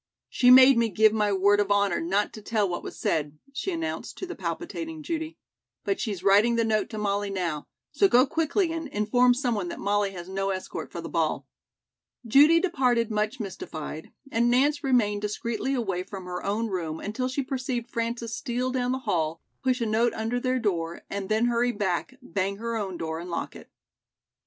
"She made me give my word of honor not to tell what was said," she announced to the palpitating Judy, "but she's writing the note to Molly now; so go quickly and inform someone that Molly has no escort for the ball." Judy departed much mystified and Nance remained discreetly away from her own room until she perceived Frances steal down the hall, push a note under their door and then hurry back, bang her own door and lock it.